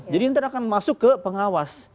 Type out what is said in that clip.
jadi internal akan masuk ke pengawas